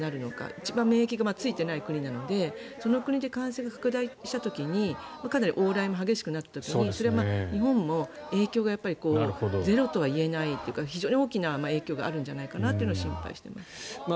一番、免疫がついてない国なのでその国で感染拡大した時にかなり往来も激しくなった時に日本も影響がゼロとはいえないというか非常に大きな影響があるんじゃないかなというのを心配しています。